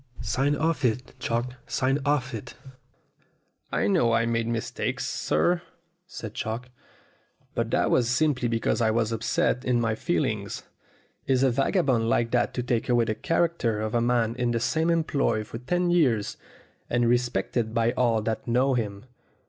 Sign off it, Chalk sign off it !" "I know I made mistakes, sir," said Chalk, "but that was simply because I was upset in my feelings. Is a vagabond like that to take away the character of a man in the same employ for ten years, and respected by all that know him